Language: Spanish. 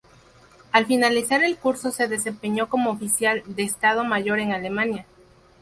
Al finalizar el curso se desempeñó como oficial de Estado Mayor en Alemania.